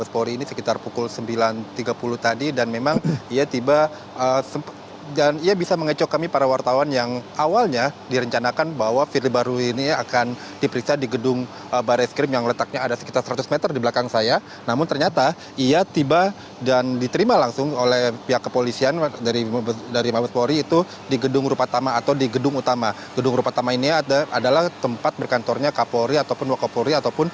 pemeriksaan firly dilakukan di barreskrim mabespori pada selasa pukul sembilan empat puluh menit dengan menggunakan mobil toyota camry